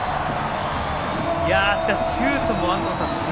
しかしシュートも安藤さん